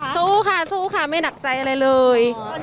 สู้ค่ะสู้ค่ะไม่หนักใจอะไรเลย